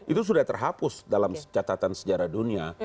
itu sudah terhapus dalam catatan sejarah dunia